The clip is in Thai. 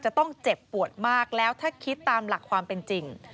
จะต้องเจ็บปวดมากแล้วถ้าคิดตามหลักความเป็นจริง